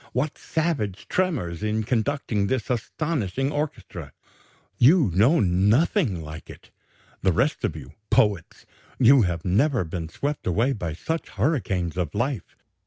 What savage tremors in conducting this astonishing orchestra! You know nothing like it, the rest of you, poets; you have never been swept away by such hurricanes of life.